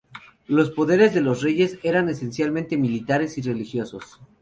Los poderes de los reyes eran esencialmente militares y religiosos.